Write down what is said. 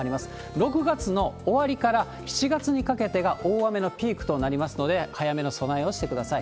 ６月の終わりから７月にかけてが大雨のピークとなりますので、早めの備えをしてください。